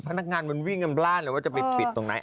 พนักงานมันวิ่งกันพลาดเลยว่าจะไปปิดตรงไหน